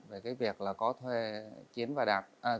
về việc có thuê chiến và hoàng